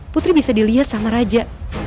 putri bisa dilihat sama raja